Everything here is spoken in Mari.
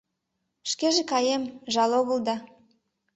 Шкеже каем — жал огыл да